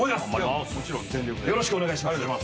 よろしくお願いします。